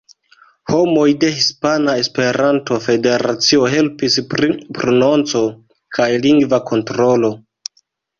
Homoj de Hispana Esperanto-Federacio helpis pri prononco kaj lingva kontrolo.